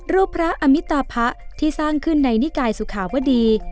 รูปพระอมิตาพระที่สร้างขึ้นในนิกายสุขาวดี